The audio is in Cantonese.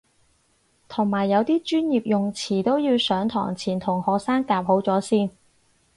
同埋有啲專業用詞都要上堂前同學生夾好咗先